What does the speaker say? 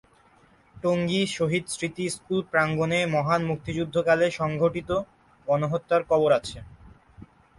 Tongi Shahid Smriti school প্রাঙ্গনে মহান মুক্তিযুদ্ধকালে সংঘটিত গণহত্যার করব আছে।